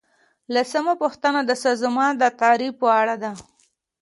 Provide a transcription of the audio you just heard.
لسمه پوښتنه د سازمان د تعریف په اړه ده.